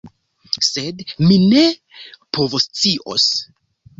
Sed mi ne povoscios.